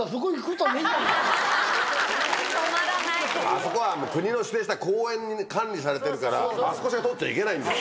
あそこは国の指定した公園管理されてるからあそこしか通っちゃいけないんです。